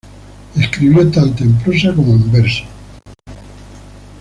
Escribió tanto en prosa como en verso.